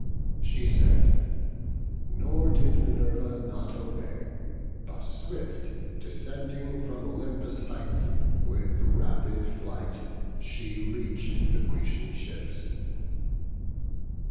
She said, nor did Minerva not obey, But swift descending from Olympus' heights With rapid flight she reach'd the Grecian ships.